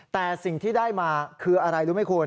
แต่สิ่งที่ได้มาคืออะไรรู้ไหมคุณ